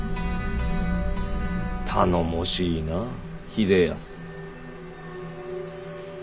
頼もしいな秀康。